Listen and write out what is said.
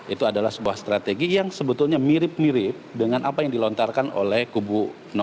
itu adalah sebuah strategi yang sebetulnya mirip mirip dengan apa yang dilontarkan oleh kubu dua